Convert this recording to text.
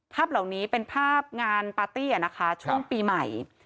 ภาพเหล่านี้เป็นภาพงานปาร์ตี้นะคะช่วงปีใหม่